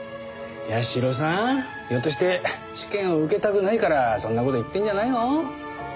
社さんひょっとして試験を受けたくないからそんな事言ってるんじゃないの？